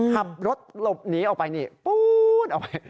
ขับรถหลบหนีออกไปนี่ปูนออกไป